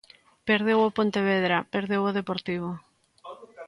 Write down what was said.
Perdeu o Pontevedra, perdeu o Deportivo.